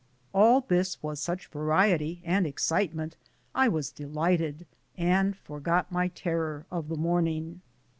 All this was such variety and excitement I was delighted, and forgot my terror of the morning.